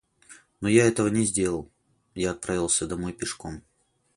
Но я этого не сделал, а отправился домой пешком.